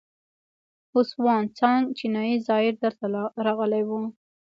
هسوان سانګ چینایي زایر دلته راغلی و